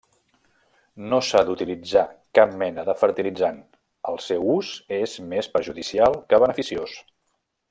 No s'ha d'utilitzar cap mena de fertilitzant, el seu ús és més perjudicial que beneficiós.